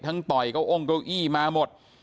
ทั้งต่อยเขาอ้มเขาอี้มาหมด